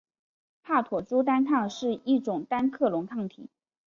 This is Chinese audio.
帕妥珠单抗是一种单克隆抗体。